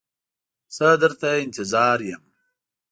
زه در ته انتظار یم.